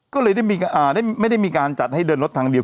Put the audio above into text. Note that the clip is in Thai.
ก็เลยไม่ได้มีการจัดให้เดินรถทางเดียว